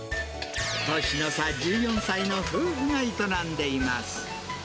年の差１４歳の夫婦が営んでいます。